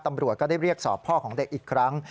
ตำรวจก็ได้เรียกสอบพ่อของเด็กอีกครั้ง